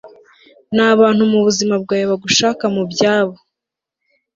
nabantu mubuzima bwawe bagushaka mubyabo